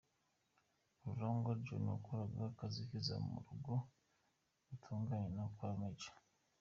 Rurangwa John wakoraga akazi k’izamu mu rugo ruturanye no kwa Maj.